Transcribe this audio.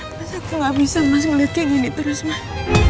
terus aku gak bisa mas ngeliat kayak gini terus mah